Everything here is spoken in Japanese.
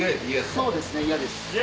そうですね嫌です。